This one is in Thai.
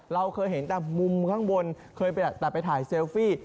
เราเคยเห็นแต่มุมข้างบนเคยไปแต่ไปถ่ายเซลฟี่